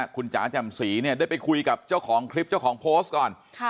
คุณจ๋าแจ่มสีเนี่ยได้ไปคุยกับเจ้าของคลิปเจ้าของโพสต์ก่อน